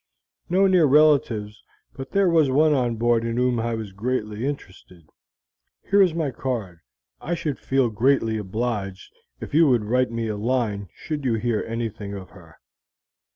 "No near relatives, but there was one on board in whom I was greatly interested. Here is my card; I should feel greatly obliged if you would write me a line should you hear anything of her."